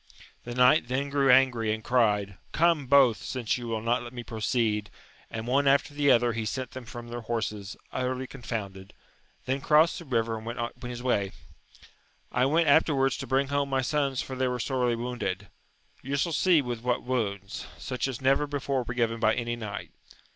The knight then grew angry, and cried. Come both, since you wiU not let me proceed ! and one after the other he sent them from their horses, utterly confounded; then crossed the river and went his way. I went after wards to bring home my sons for they were sorely wounded : you shall see with what wounds, such as never before were given by any knight.